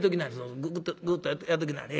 グッとグッとやっときなはれ。